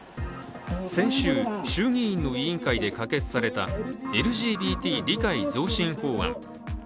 先週、衆議院の委員会で可決されたＬＧＢＴ理解増進法案。